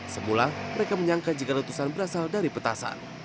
semula mereka menyangka jika letusan berasal dari petasan